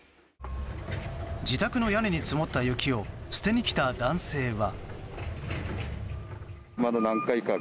自宅の屋根に積もった雪を捨てに来た男性は。